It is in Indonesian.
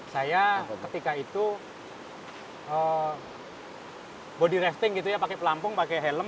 saya ketika itu body rafting gitu ya pakai pelampung pakai helm